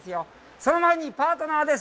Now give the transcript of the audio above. その前にパートナーです。